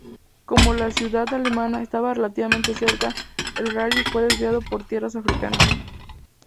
Como la ciudad alemana estaba relativamente cerca, el rally fue desviado por tierras africanas.